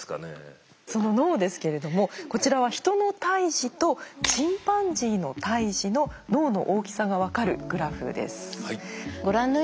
その脳ですけれどもこちらはヒトの胎児とチンパンジーの胎児の脳の大きさが分かるグラフです。